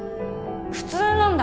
普通なんだ。